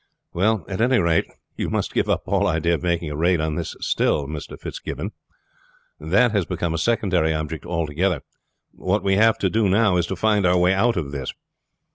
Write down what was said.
"Well, at any rate you must give up all idea of making a raid on this still, Mr. Fitzgibbon. That has become a secondary object altogether now. What we have to do is to find our way out of this.